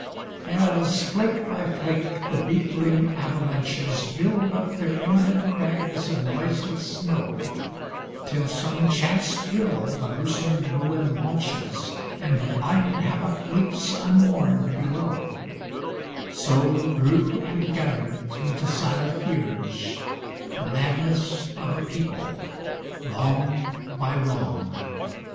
As, flake by flake, the beetling avalanches Build up their imminent crags of noiseless snow, Till some chance thrill the loosened ruin launches And the blind havoc leaps unwarned below, So grew and gathered through the silent years The madness of a People, wrong by wrong.